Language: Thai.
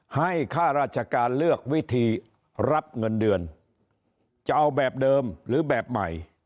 ข้าราชการเลือกวิธีรับเงินเดือนจะเอาแบบเดิมหรือแบบใหม่